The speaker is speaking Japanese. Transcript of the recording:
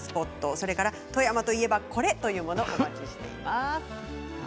それから富山といえばこれというものをお待ちしています。